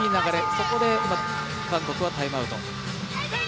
そこで韓国はタイムアウト。